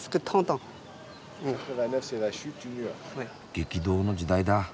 激動の時代だ。